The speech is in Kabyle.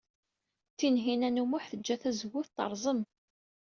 Tinhinan u Muḥ tejja tazewwut terẓem.